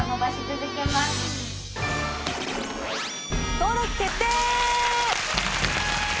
登録決定！